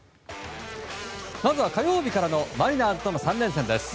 まずは火曜日からのマリナーズとの３連戦です。